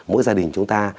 mỗi gia đình chúng ta